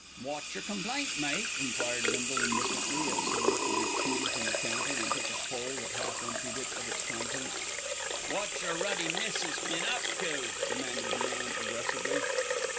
"Wot's your complaint, mate?" enquired Bindle indifferently, as he lifted his pewter from the counter, and took a pull that half emptied it of its contents. "Wot's your ruddy missis been up to?" demanded the man aggressively.